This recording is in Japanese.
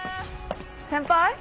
先輩？